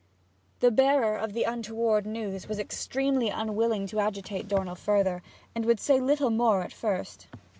The bearer of the untoward news was extremely unwilling to agitate Dornell further, and would say little more at first.